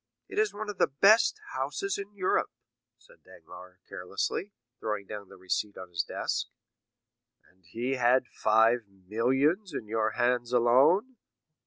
"It is one of the best houses in Europe," said Danglars, carelessly throwing down the receipt on his desk. "And he had five millions in your hands alone!